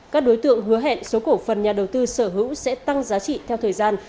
các đối tượng hứa hẹn số cổ phần nhà đầu tư sở hữu sẽ tăng giá trị theo thời gian